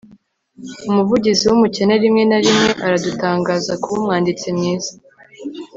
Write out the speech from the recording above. umuvugizi wumukene rimwe na rimwe aradutangaza kuba umwanditsi mwiza